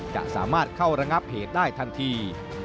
จะสามารถเข้าระงับเหตุได้ทันที